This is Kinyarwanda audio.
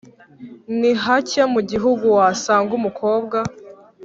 ni hake mu gihugu wasanga umukobwa